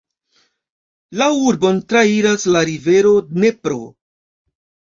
La urbon trairas la rivero Dnepro.